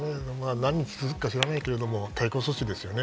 何日続くか分からないけど対抗措置だよね。